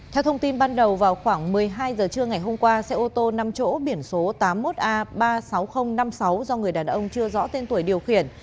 theo thông tin ban đầu vào khoảng một mươi hai h trưa ngày hôm qua xe ô tô năm chỗ biển số tám mươi một a ba mươi sáu nghìn năm mươi sáu do người đàn ông chưa rõ tên tuổi điều khiển